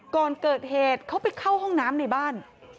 ก่อนเกิดเหตุเขาไปเข้าห้องน้ำในบ้าน